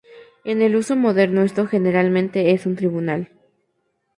En el uso moderno esto generalmente es un tribunal.